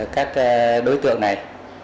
các đối tượng này